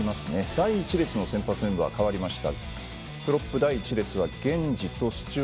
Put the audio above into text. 第１列の先発メンバー変わりました。